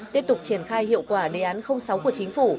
tiếp tục triển khai hiệu quả đề án sáu của chính phủ